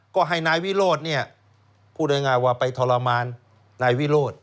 ก็ให้นายวิโรธเนี่ยพูดง่ายว่าไปทรมานนายวิโรธ